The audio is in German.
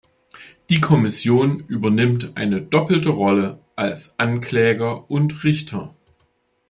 Die Kommission übernimmt eine doppelte Rolle als Ankläger und Richter.